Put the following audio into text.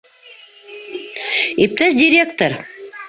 Иптәш директор!